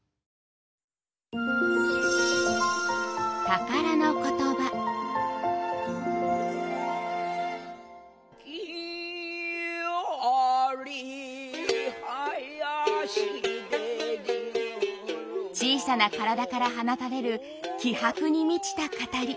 木遣り囃子で小さな体から放たれる気迫に満ちた語り。